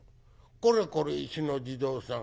『これこれ石の地蔵さん